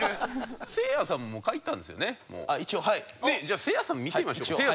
じゃあせいやさんも見てみましょう。